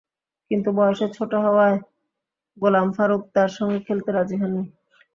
কিন্তু বয়সে ছোট হওয়ায় গোলাম ফারুক তাঁর সঙ্গে খেলতে রাজি হননি।